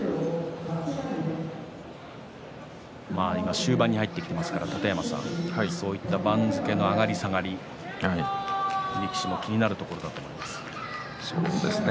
終盤に入ってきますから楯山さん番付の上がり下がりやはり力士も気になるところだと思いますね。